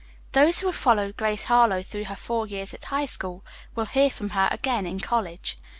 Those who have followed Grace Harlowe through her four years at High School, will hear from her again in college.